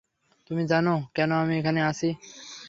তুমি জানো কেন আমি এখানে আছি?